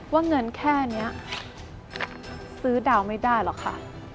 ว่าเงินแค่นี้ซื้อดาวไม่ได้หรอกค่ะ